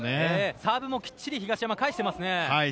サーブもきっちり東山返してますね。